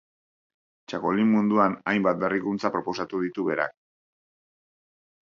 Txakolin munduan hainbat berrikuntza proposatu ditu berak.